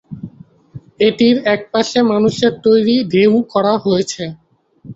এটির এক পাশে মানুষের তৈরী ঢেউ করা হয়েছে।